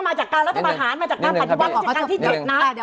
มาจากการรัฐธรรมหาวมาจากการปฎิวัตเงินที่๗นะ